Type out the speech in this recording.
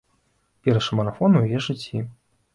Першы марафон у яе жыцці.